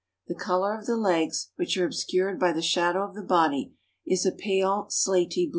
The color of the legs, which are obscured by the shadow of the body, is a pale, slaty blue.